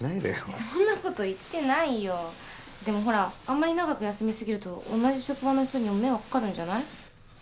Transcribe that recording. そんなこと言ってないよでもほらあんまり長く休みすぎると同じ職場の人にも迷惑かかるんじゃない？